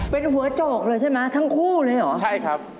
เป็นหัวโจกเลยใช่ไหมทั้งคู่เลยเหรอใช่ครับ